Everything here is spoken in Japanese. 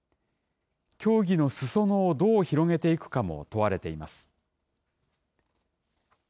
競技のすそ野をどう広げていくかも問われています。